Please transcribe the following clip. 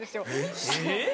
えっ？